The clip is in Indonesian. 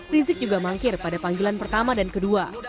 rizik juga mangkir pada panggilan pertama dan kedua